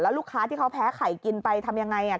ลูกค้าที่เขาแพ้ไข่กินไปทำยังไง